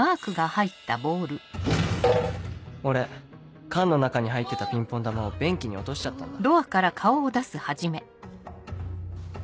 物音俺缶の中に入ってたピンポン球を便器に落としちゃったんだ。